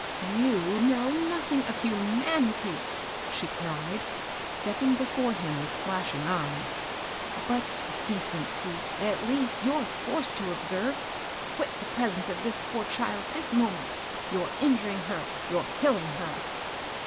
" You know nothing of himanity^'* she cried, stepping before him with flashing eyes, " but decency ^ at least, you're forced to observe. Quit the pre^ ence of this poor child this moment 1 — you're injuring her, — you're killing her."